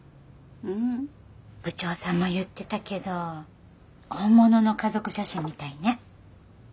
部長さんも言ってたけど本物の家族写真みたいね。